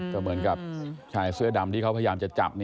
ก็เหมือนกับชายเสื้อดำที่เขาพยายามจะจับ